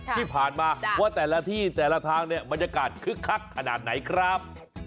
ที่ผ่านมาว่าแต่ละที่แต่ละทางเนี่ยบรรยากาศคึกคักขนาดไหนครับ